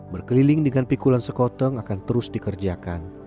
berkeliling dengan pikulan sekoteng akan terus dikerjakan